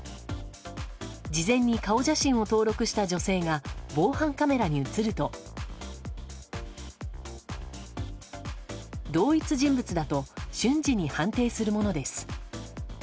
事前に顔写真を登録した女性が防犯カメラに映ると同一人物だと瞬時に判定するものです。